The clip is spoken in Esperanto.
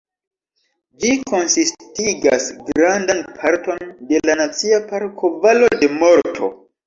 Ĝi konsistigas grandan parton de la Nacia Parko Valo de Morto.